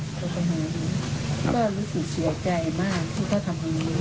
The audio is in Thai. โทรไปหาอยู่ก็รู้สึกเสียใจมากที่เขาทำแบบนี้